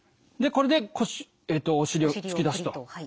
でこれで腰お尻を突き出すと。